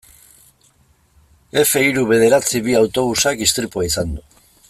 Efe hiru bederatzi bi autobusak istripua izan du.